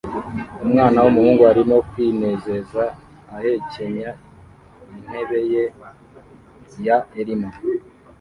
Umwana wumuhungu arimo kwinezeza ahekenya intebe ye ya Elmo